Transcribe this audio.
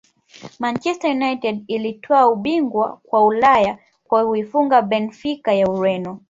manchester united ilitwaa ubingwa wa ulaya kwa kuifunga benfica ya Ureno